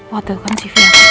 waktu itu kan si fiat